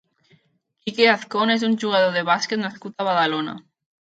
Quique Azcón és un jugador de bàsquet nascut a Badalona.